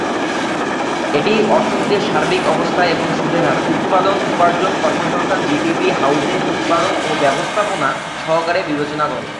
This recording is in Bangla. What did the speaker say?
এটি অর্থনীতির সার্বিক অবস্থা এবং সুদের হার, উৎপাদন, উপার্জন, কর্মসংস্থান, জিডিপি, হাউজিং, উৎপাদন ও ব্যবস্থাপনা সহকারে বিবেচনা করে।